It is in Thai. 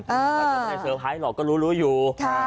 ถ้าเกิดใครเซอร์ไพร์หลอกก็รู้อยู่